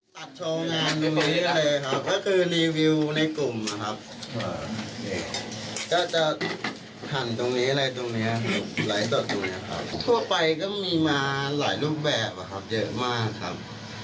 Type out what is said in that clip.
ต่อดูนะครับทั่วไปก็มีมาหลายรูปแบบอะครับเยอะมากครับ